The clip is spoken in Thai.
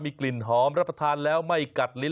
มีกลิ่นหอมรับประทานแล้วไม่กัดลิ้น